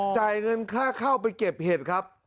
จ่ายเงินค่าเข้าไปเก็บเห็ดครับ